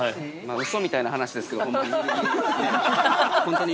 ◆うそみたいな話ですけど本当に。